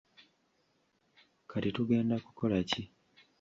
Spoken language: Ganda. Kati tugenda kukola ki?